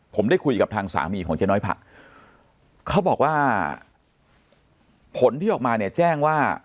ผมได้คุยกับทางสามีของเจ๊น้อยผักเขาบอกว่าผลที่ออกมาเนี่ยแจ้งว่า